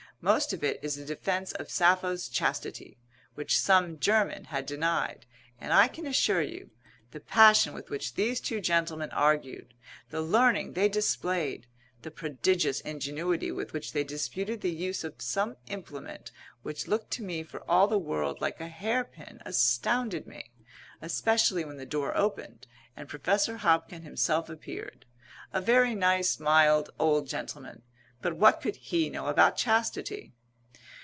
Most of it is a defence of Sappho's chastity, which some German had denied, and I can assure you the passion with which these two gentlemen argued, the learning they displayed, the prodigious ingenuity with which they disputed the use of some implement which looked to me for all the world like a hairpin astounded me; especially when the door opened and Professor Hobkin himself appeared. A very nice, mild, old gentleman, but what could he know about chastity?"